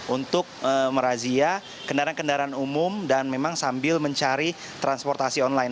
untuk merazia kendaraan kendaraan umum dan memang sambil mencari transportasi online